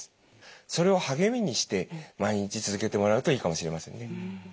それを励みにして毎日続けてもらうといいかもしれませんね。